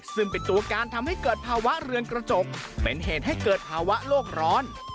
ซึ่งเป็นตัวการทำให้เกิดภาวะเรือนกระจกเป็นเหตุให้เกิดภาวะโลกร้อน